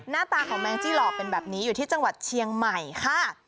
หน้าตาของแมงจี้หล่อเป็นแบบนี้อยู่ที่จังหวัดเชียงใหม่ค่ะ